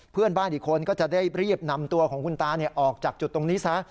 เพื่อนบ้านอีกคนก็จะได้รีบนำตัวของคุณตาออกจากจุดตรงนี้ซะ